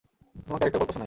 তোমাকে আরেকটা গল্প শোনাই।